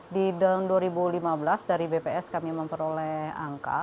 di tahun dua ribu lima belas dari bps kami memperoleh angka